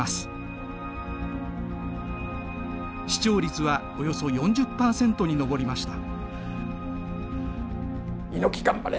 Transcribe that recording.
視聴率はおよそ４０％に上りました。